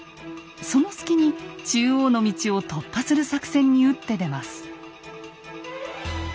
その隙に中央の道を突破する作戦に打って出ます。